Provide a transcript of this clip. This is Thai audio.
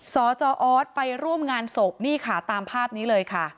สจออสไปร่วมงานศพนี่ค่ะตามภาพนี้เลยค่ะ